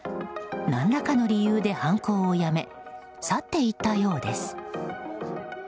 何らかの理由で犯行をやめ去っていったようです。